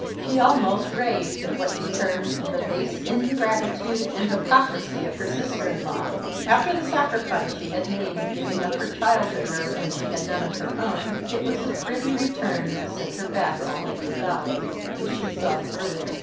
She almost raved at what she termed the base ingratitude and hypocrisy of her sister in law. After the sacrifice she had made in giving up her child to her when she had none of her own, it was a pretty return to send her back only to die. But she saw through it.